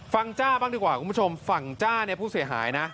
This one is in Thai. ฝั่งจ้าบ้างดีกว่าครับคุณผู้หายนะ